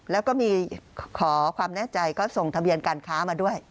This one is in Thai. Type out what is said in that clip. แล้วก็มีขอความแน่ใจก็ส่งทะเบียนการค้ามาด้วย